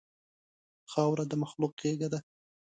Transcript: خاوره د مخلوق غېږه ده.